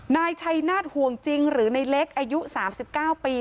นายชัยนาฏห่วงจริงหรือในเล็กอายุ๓๙ปี